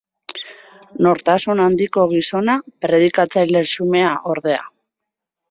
Nortasun handiko gizona, predikatzaile xumea, ordea.